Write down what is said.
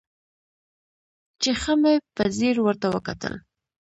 چې ښه مې په ځير ورته وکتل.